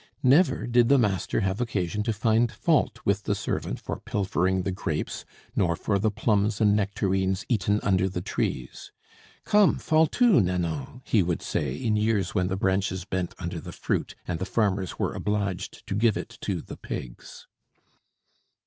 Never did the master have occasion to find fault with the servant for pilfering the grapes, nor for the plums and nectarines eaten under the trees. "Come, fall to, Nanon!" he would say in years when the branches bent under the fruit and the farmers were obliged to give it to the pigs.